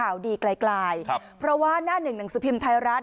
น่าจะเป็นข่าวดีไกล่กลายครับเพราะว่าหน้าหนึ่งหนังสือพิมพ์ท้ายรัฐ